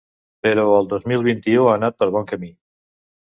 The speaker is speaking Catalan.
Però el dos mil vint-i-u ha anat pel bon camí.